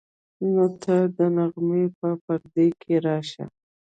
نو ته د نغمې په پرده کې راشه.